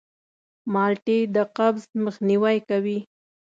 مالټې د قبض مخنیوی کوي.